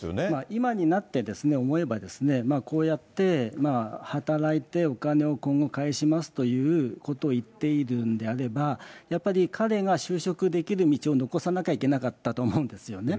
今になって思えば、こうやって働いてお金を今後、返しますということを言ってるんであれば、やっぱり彼が就職できる道を残さなきゃいけなかったと思うんですよね。